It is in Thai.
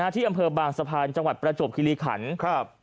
ที่อำเภอบางสะพานจังหวัดประจวบคิริขันครับ